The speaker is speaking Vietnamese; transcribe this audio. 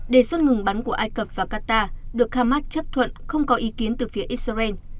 đề xuất ngừng bắn của ai cập và qatar được hamas chấp thuận không có ý kiến từ phía israel